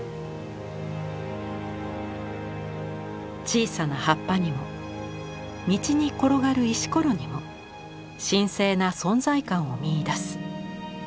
小さな葉っぱにも道に転がる石ころにも神聖な存在感を見いだす。